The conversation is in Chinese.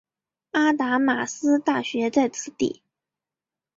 阿达玛斯大学在此地。